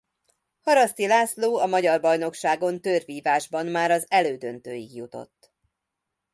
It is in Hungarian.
Haraszti László a magyar bajnokságon tőrvívásban már az elődöntőig jutott.